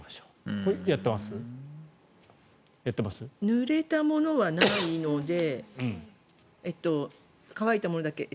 ぬれたものはないので乾いたものだけ。